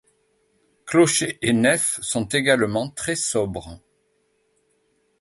Clocher et nef sont également très sobres.